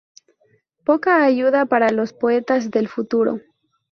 Poca ayuda para los poetas del futuro.